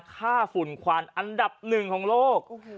ค่าฝุ่นควันอันดับ๑ของโลก